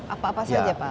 apa apa saja pak budi